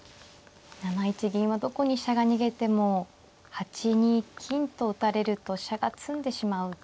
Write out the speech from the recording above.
７一銀はどこに飛車が逃げても８二金と打たれると飛車が詰んでしまうということですか。